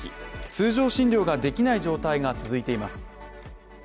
通常診療ができない状態が続いています。